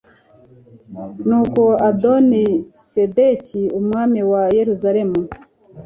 nuko adoni sedeki, umwami wa yeruzalemu